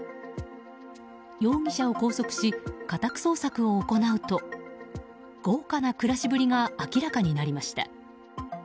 容疑者を拘束し家宅捜索を行うと豪華な暮らしぶりが明らかになりました。